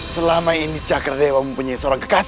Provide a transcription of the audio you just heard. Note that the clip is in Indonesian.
selama ini cakradewa mempunyai seorang kekayaan